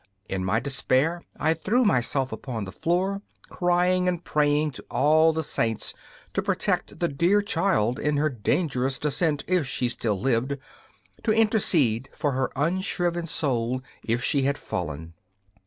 In my despair I threw myself upon the floor, crying and praying to all the saints to protect the dear child in her dangerous descent if still she lived, to intercede for her unshriven soul if she had fallen.